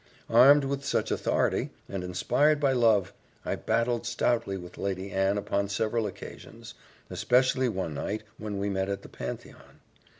_" Armed with such authority, and inspired by love, I battled stoutly with Lady Anne upon several occasions, especially one night when we met at the Pantheon.